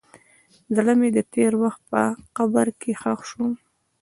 زړه مې د تېر وخت په قبر کې ښخ شو.